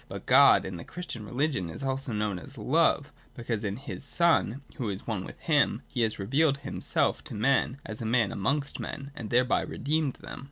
But God in the Christian religion is also known as Love, because in his Son, who is one with him, he has revealed himself to men as a man amongst men, and thereby redeemed them.